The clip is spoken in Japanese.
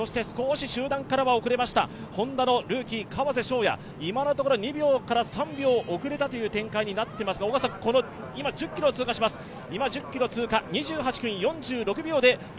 少し集団からは後れましたＨｏｎｄａのルーキー、川瀬翔矢、今のところ２秒から３秒遅れたという展開になっていますが、今、１０ｋｍを２８分４８秒で通過しました